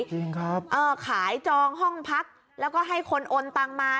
จริงครับเออขายจองห้องพักแล้วก็ให้คนโอนตังมา